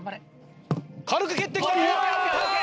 軽く蹴ってきた！